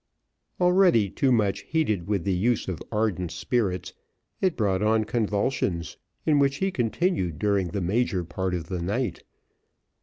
Already too much heated with the use of ardent spirits, it brought on convulsions, in which he continued during the major part of the night.